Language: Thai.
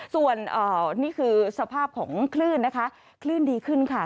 ส่วนนี่คือสภาพของคลื่นนะคะคลื่นดีขึ้นค่ะ